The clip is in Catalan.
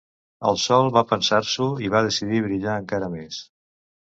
El sol va pensar-s'ho, i va decidir brillar encara més.